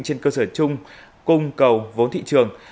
trên cơ sở chung cùng cầu vốn thị trường